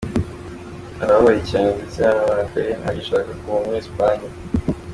Arababaye cyane ndetse yaranarakaye, ntagishaka kuguma muri Espagne.